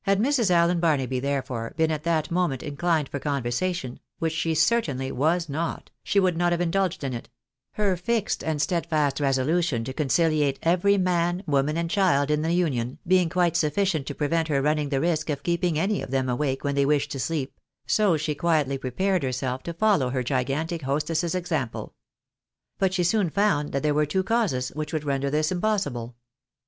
Had Mrs. Allen Barnaby, therefore, been at that moment inclined for conversation (which she certainly was not), she would not have indulged in it ; her fixed and steadfast resolution to con ciliate every man, woman, and child in the Union, being quite sufficient to prevent her running the risk of keeping any of them awake when they wished to sleep ; so she quietly prepared herself to follow her gigantic hostess's example. But she soon found that there were two causes which would render this impossible.